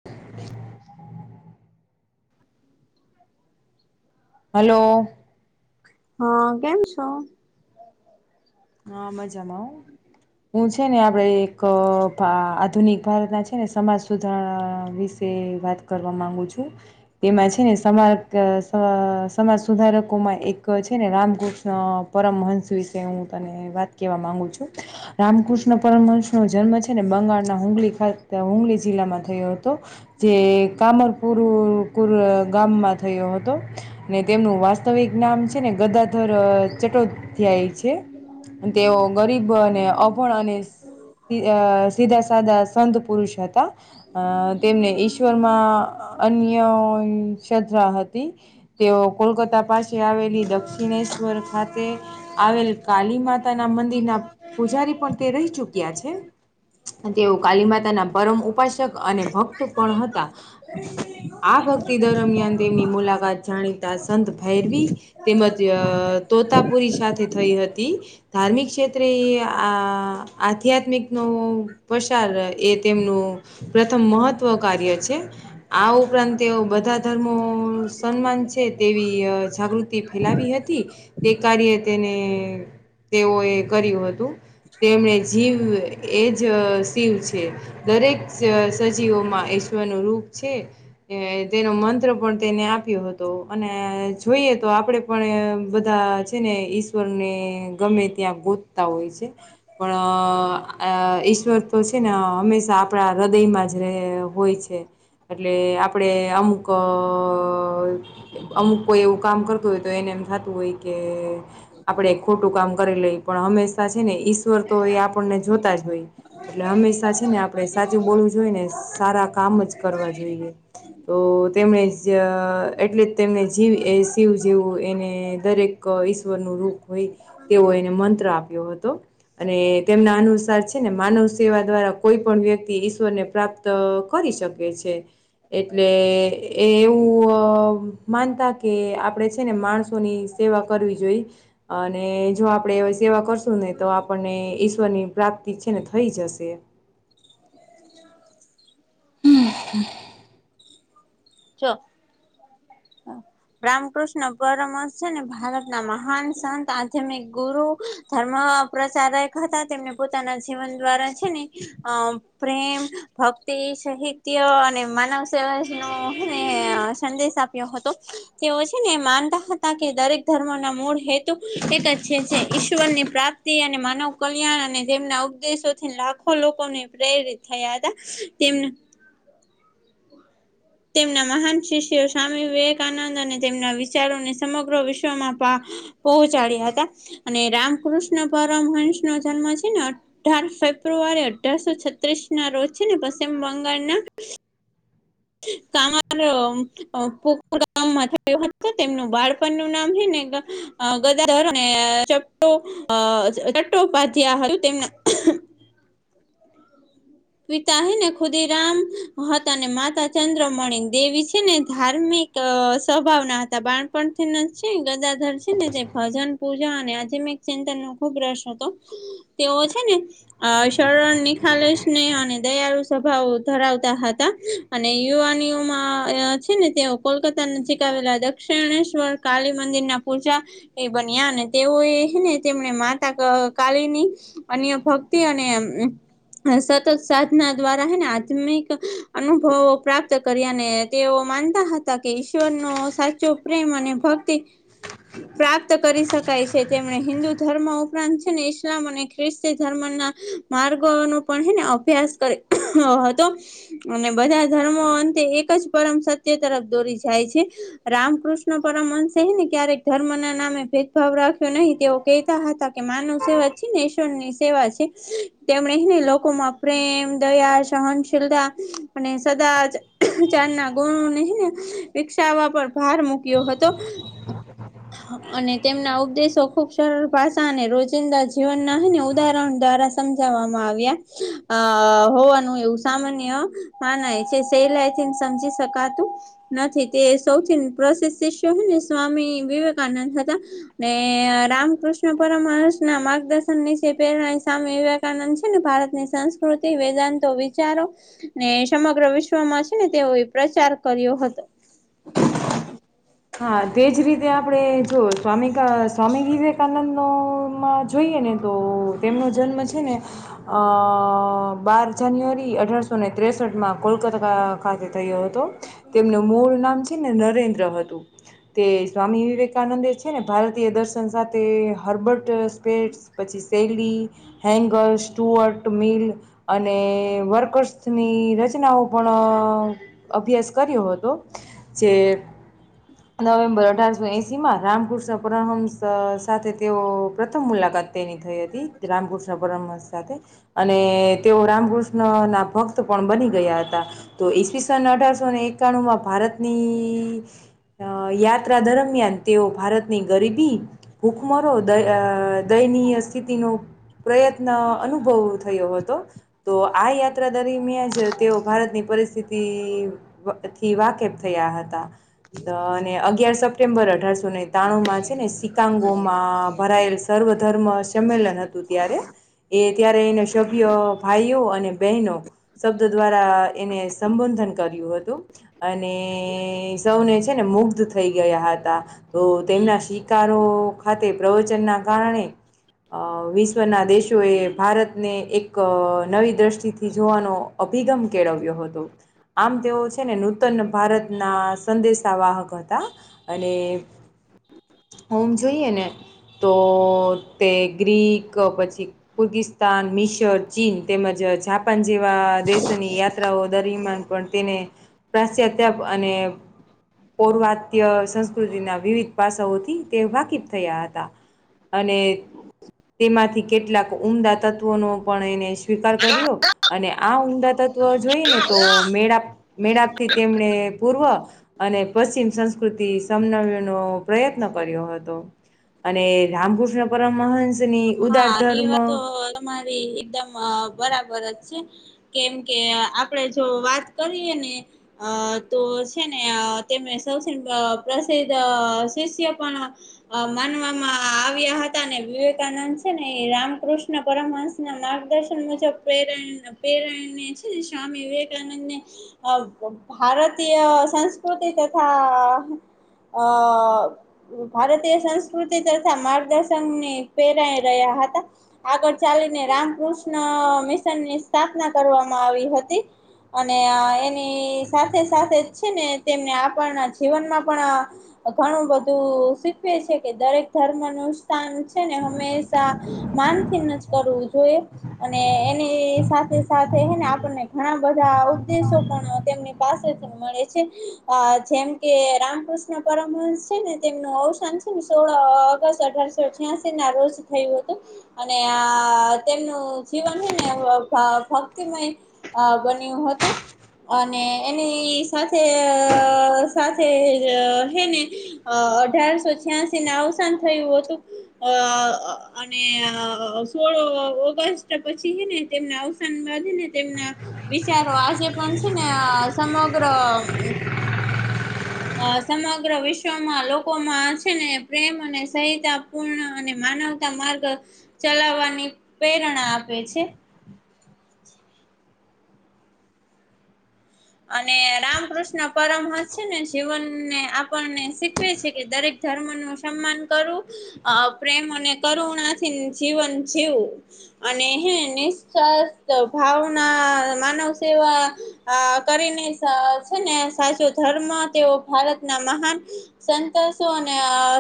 [inaudible] હાલો. હા, કેમ છો? હા મજામાં હો, હું છે ને હવે એક આધુનિક ભારતના છે ને સમાજ સુધારણા વિશે વાત કરવા માંગુ છું. તેમાં છે ને સમાજ સ સમાજ સુધારકોમાં એક છે ને રામકૃષ્ણ પરમહંસ વિશે હું તને વાત કહેવા માગુું છું. રામકૃષ્ણ પરમહંસનો જન્મ છે ને બંગાળના હુંગલી હુંગલી જિલ્લામાં થયો હતો. જે કામરપુર પૂર ગામમાં થયો હતો. ને તેમનું વાસ્તવિક નામ છે ને ગદાધર ચટોપધ્યાય છે. અને તેઓ ગરીબ અને અભણ અને ઈ અ સીધા સાધા સંત પુરષ હતા. અ તેમને ઈશ્વર માં અન્ય શ્રદ્ધા હતી. તેઓ કોલકાતા પાસે આવેલી દક્ષિણેશ્વર ખાતે આવેલ કાળીમાતાના મંદિરના પુજારી પણ તે રહી ચુક્યા છે. તેઓ કાલીમાતાના પરમ ઉપાસક અને ભક્ત પણ હતા. આ ભક્તિ દરમિયાન તેમની મુલાકાત જાણીતા સંત ભેરવી તેમજ તોતાપુરી સાથે થઈ હતી. ધાર્મિક ક્ષેત્રે એ આ આધ્યાત્મિકનો પ્રસાર એ તેમનું પ્રથમ મહત્ત્વ કાર્ય છે. આ ઉપરાંત તેઓ બધા ધર્મો સન્માન છે તેવી જાગૃતિ ફેલાવી હતી તે કાર્ય તેને તેઓ એ કર્યું હતું તેમણે જીવ એ જ શિવ છે. દરેક સજીવોમાં ઈશ્વરનું રૂપ છે. એ તેનો મંત્ર પણ તેને આપ્યો હતો અને જોઈએ તો આપડે પણ બધા છે ને ઈશ્વર ને ગમે ત્યાં ગોતતા હોય છે પણ અ ઈશ્વર તો છે ને હંમેશા આપણા હૃદયમાં જ રહે હોય છે. એટલે આપણે અમુક અમુક કોઈ એવું કામ કરતું હોય તો એને એમ થાતું હોય કે આપડે કરી લઈ પણ હંમેશા છે ને ઈશ્વર તો એ આપણને જોતા જ હોય એટલે હંમેશા હે ને આપણે સાચું બોલવું જોઈ ને સારા કામ જ કરવા જોઈએ. તો તેમણે જ એટલે તેમને જીવ એ શિવ જેવું એને દરેક ઈશ્વર નું રૂપ હોય તેવો એને મંત્ર આપ્યો હતો. અને તેમના અનુસાર છે ને માનવ સેવા દ્વારા કોઈપણ વ્યક્તિ ઈશ્વર ને પ્રાપ્ત કરી શકે છે. એટલે એ એવું માનતા કે આપણે છે ને માણસોની સેવા કરવી જોઈએ. અને જો આપડે સેવા કરશું ને તો આપણને ઈશ્વર ની પ્રાપ્તિ છે ને થઈ જશે. [unintelligible] ચ. રામકૃષ્ણ પરમહંસ છે ને ભારતના મહાન સંત આધ્યામિક ગુરુ ધર્મ પ્રચારક હતા તેમને પોતાના જીવન દ્વારા છે ને અ પ્રેમ, ભક્તિ, સહિત્ય અને માનવ સેવાજ નુંને સંદેશ આ તયા હતો. તેઓ છે, ને માનતા હતા કે દરેક ધર્મના મૂળ હેતુ એક જ છે, જે ઈશ્વરની પ્રા તી અને માનવ કલ્યાણ અને તેમના ઉપદેશોથી લાખો લોકોને પ્રેરિત થયા હતા તેમનું તેમના મહાન શિષ્યો સ્વામી વિવેકાનંદ અને તેમના વિચારોને સમગ્ર વિશ્વમાં પા પહોચાડ્યા હતા અને રામકૃષ્ણ પરમહંસનો જન્મ છે, ને અ ઢાર ફેબ્રુઆરી અઢારસો છત્રીસ ના રોજ છે, ને પશ્ચિમ બંગાળના કામર અ કુકુર ગામમાં થયો હતો તેમનું બાળપણનું નામ હે ને અ ગધાધર અને ચ અ ચત્તો પાધ્યા હતું તેમના પિતા હૈ ને ખુદી રામ હતા ને માતા ચંદ્રમણી દેવી છે, ને ધાર્મિક સ્વભાવના હતા બાણપણથી ન છે, ગદાધર છે, ને ભજન, પૂજા અને આધ્યમિક ચિંતનનો ખુબ રસ હતો તેઓ છે, ને અ શરણ નીખાલશ સ્નેહ અને દયાળુ સ્વભાવ ધરાવતા હતા અને યુવાનીઓમાં છે, અ છે, ને તેઓ કોલકાતા નજીક આવેલા દક્ષિણેશ્વર કાલી મંદિર ના પૂજા એ બન્યા અને તેઓએ હેને તેમને માતા કાલીની અન્ય ભક્તિ અને સતત સાધના દ્વારા હેને આત્મિક અનુભવો પ્રાપ્ત કર્યા ને તેઓ માનતા હ તા કે ઈશ્વરનો સાચો પ્રેમ અને ભક્તિ પ્રાપ્ત કરી શકાય છે, તેમણે હિન્દુ ધર્મ ઉપરાંત છે, ને ઈસ્લામ અને ખ્રિસ્તી ધર્મના માર્ગોનું પણ હે ને અભ્યાસ કર્યો હતો. અને બધા ધર્મો અંતે એક જ પરમ સત્ય તરફ દોરી જાય છે. રામકૃષ્ણ પરમવંશે હેને ક્યારેક ધર્મના નામે ભેદભાવ રાખ્યો નહી તેઓ કહેતા હતા. કે માનવ સેવા છે, ને ઈશ્વરની સેવા છે, તેમણે હેને લો કોમાં પ્રેમ, દયા, સહનશીલતા અને સદાચારના ગુણો હે ને વિકસાવવા પર ભાર મૂક્યો હતો અને તેમના ઉપદેશો ખુબ સરળ ભાષા અને રોજિંદા જીવનના હેને ઉદાહરણ દ્વારા સમજાવવામાં આવ્યા અ હોવાનું એવું સામાન્ય મનાય છે, સેલ્લેથી સમજી શકાતું નથી તે સૌથી પ્રસિદ્ધ શિષ્ય હે ને સ્વામી વિવેકાનંદ હતા. ને રામકૃષ્ણ પરવંશના માર્ગદર્શનની જે પ્રેરણા સ્વામી વિવેકાનંદ છે, ને ભારત ની સંસ્કૃતિ વેદાંતો વિચારો ને સમગ્ર વિશ્વમાં છે, ને તેઓએ પ્રચાર કર્યો હતો. હા બે જ રીતે આપણે જોયુ સ્વામીકા સ્વામી વિવેકાનંદ તો એમાં જોઈએ ને તો તેમનો જન્મ છે, ને અ બાર જાન્યુઆરી અઢારસો ને ત્રેસઠમાં કોલકાતા ખાતે થયો હતો તેમનું મૂળ નામ છે, ને નરેન્દ્ર હતું. તે સ્વામી વિવેકાનંદે છે, ને ભારતીય દર્શન સાથે હર્બટ સ્પે પછી શેલી, હેંગર, સ્ટુઅટ, મીલ અને વર્કસની રચનાઓ પણ અભ્યાસ કર્યો હતો જે નવેમ્બર અઢારસો એંશીમાં રામકૃષ્ણ પરમહંસ સાથે તેઓ પ્રથમ મુલાકાત તેની થઈ હતી રામકૃષ્ણ પરમહંસ સાથે અને તેઓ રામકૃષ્ણના ભક્ત પણ બની ગયા હતા. તો ઈસવીસન અઢારસોને એકાણુંમાં ભારતની અ યાત્રા દરમિયાન તેઓ ભારતની ગરીબી ભૂખમરો દ અ દયનીય સ્થિતિનો પ્રયત્ન અનુભવ થયો હતો. તો આ યાત્રા દરમિયાન જ તેઓને ભારતની પરિસ્થિતિ થી વાકેફ થયા હતા. અ અને અગિયાર સપ્ટેમ્બર અઢારસોને તાણું માં છે ને સિક્કાઓ માં ભરાયેલ સર્વ ધર્મમાં સંમેલન હતું ત્યારે એ ત્યારે એના સભ્યો ભાઈઓ અને બહેનો શબ્દ દ્વારા એને સંબોધન કર્યું હતું અને સૌને છે ને મુગ્ધ થઈ ગયા હતા. તો તેમના શિકારો ખાતે પ્રવચન ના કારણે અ વિશ્વના દેશોએ ભારતને એક અ નવી દ્રષ્ટિથી જોવાનો અભિગમ કેળવ્યો હતો આમ તેઓ છે ને નૂતન ભારતના સંદેશ તા વાહક હતા અને ઓમ જોઈએ ને તો તે ગ્રીક પછી કુર્ગિસ્તાન મિશ સ ચિન તેમજ અ જાપાન જેવા દેશોની યાત્રાઓ દરમિયાન પણ તેને પ્રાયછચાતાપ અને પર્વત્ય સંસ્કૃતિના વિવિધ પાસાઓથી તે વાકીફ થયા હતા. અને.... તેમાંથી કેટલાક ઉમદા તત્વોનો પણ એને સ્વીકાર કરયું. અને આ ઊધા તત્વ જોઈને તો મેળાપ મેળાપ થી તેમને પૂર્વ અને પશ્ચિમ સંસ્કૃતિ સમજાવવાનો પ્રયત્ન હતો. અને રામકૃષ્ણ પરમહંસની ઉદાર ધર્મ મારી એકદમ અ બરાબર જ છે. કેમકે આપણે જો વાત કરીએ ને અ તો છે ને અ તેમને સૌથી અ પ્રસિદ્ધ અ શિષ્ય પણ અ માનવામાં આવ્યા હતા ને વિવેકાનંદ છે ને એ રામકૃષ્ણ પરમહંસ ના માર્ગદર્શન મુજબ પ્રેરણ પ્રેરણા એ છે ને સ્વામી વિવેકાનંદ ને અ ભારતીય સંસ્કૃતિ તથા અ ભારતીય સંસ્કૃતિ તથા માર્ગદર્શનની પ્રેરળે રહ્યા હતા. આગળ ચાલીને રામકૃષ્ણ મિશનની સ્થાપના કરવામાં આવી હતી. અને અ એની સાથે સાથે જ છે ને તેમને આપણના જીવનમાં પણ ઘણું બધું શીખવે છે કે દરેક ધર્મ નું સ્થાન છે ને હમે શા માન થી ન જ કરવું જોઈએ. અને એની સાથે સાથે હૈને આપણને ઘણા બધા ઉદ્દેશો પણ તેમની પાસે મળે છે અ જેમ કે રામકૃષ્ણ પરમહંસ છે ને તેમનું અવસાન સોળ અ ઓગસ્ટ અઢારસો અઠયાસી ના રોજ થયું હતું. અને આ તેમનું જીવન હે ને ભા ભક્તિમય અ બન્યું હતું. અને એની સાથે અ સાથે હૈ ને અ અઢારસો છ્યાસી ના અવસાન થયું હતું અ અને અ સોળ ઓગસ્ટ પછી હેને તેમના અવસાન બાદ હેને તેમના વિચારો આજે પણ છે ને અ સમગ્ર [inaudible] અ સમગ્ર વિશ્વમાં લોકોમાં છે ને પ્રેમ અને સહિતા પૂર્ણ અને માનવ ત માર્ગ ચલાવવાની પ્રેરણા આપે છે. અને રામકૃષ્ણ પરમહંસ છે ને જીવનને આપણને શીખવે છે કે દરેક ધર્મનું સન્માન કરવું. અ પ્રેમ અને કરુણાથી જીવન જીવું. અને હેને નિશસ્થ, ભાવના, માનવસેવા આ કરીને સ છે ને સાચો ધર્મ તેઓ ભારતના મહાન સંતોસોને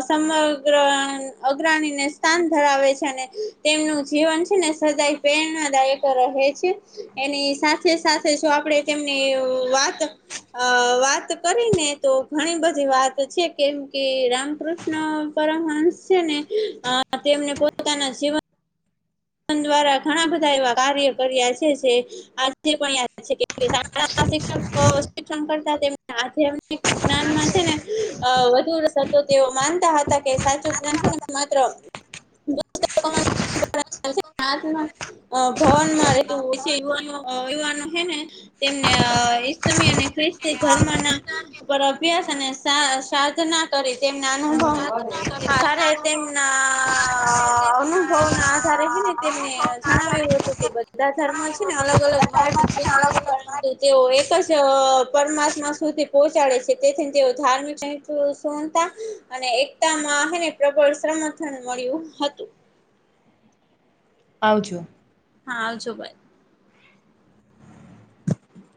સમગ્ર અગ્રણીને સ્થાન ધરાવે છે. અને તેમનું જીવન છેને સદાય પ્રેરણાદાયક રહે છે. એની સા સાથે સાથે જો આપડે તેમની વાત અ વાત કરીને તો ઘણી બધી વાત છે. કેમ કે રામકૃષ્ ન પરમહંસ છે ને અ તેમને પોતાના જીવન વન દ્વારા ઘણા બધા એવા કાર્ય કર્યા છે જે આજે પણ યાદ છે કે [inaudible] [inaudible] શિક્ષકો શિક્ષણ કરતા તેમના હાથે એમને જ્ઞાનમાં છે ને અ વધુ રસ હતો. તેઓ માનતા હતા કે સાચું જ્ઞાન છે ને માત્ર [inaudible] [inaudible] ભવનમાં રેતું [unintelligible] હોય છે યુવાનો યુવાનો હે ને તેમને ઈસ્લામી અને ખ્રિસ્તી ધર્મના ઉપર અભ્યાસ અને સા સાધના કરી. તેમના અનુભવ હારે તેમના અનુભવના જ્યારે હેને તેમને જણાવ્યું હતું કે બધા ધર્મ છે ને અલગ અલગ માર્ગ છે. પરંતુ તેઓ એક જ પરમાત્મા સુધી પહોંચાડે છે. તેથી તેઓ ધાર્મિક [inaudible] તું સુણતાં. અને એકતામાં હેને પ્રબળ સમર્થન મળ્યું હતું. આવજો. હા આવજો બાય.